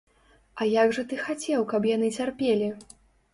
А як жа ты хацеў, каб яны цярпелі?